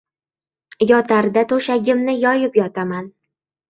Yotarda to‘shagimni yoyib yotaman.